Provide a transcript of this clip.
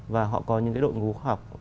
và họ có những cái đội ngũ khoa học